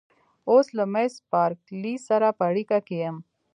اوس له مېس بارکلي سره په اړیکه کې یم.